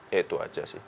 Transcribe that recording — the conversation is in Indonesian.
ya itu aja sih